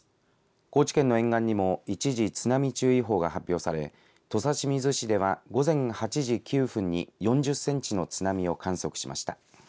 高知県の沿岸にも一時津波注意報が発表され土佐清水市では午前８時９分に４０センチの津波を観測しました。